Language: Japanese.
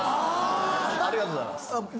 ありがとうございます。